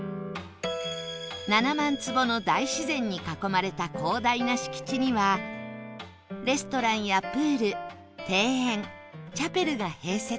７万坪の大自然に囲まれた広大な敷地にはレストランやプール庭園チャペルが併設され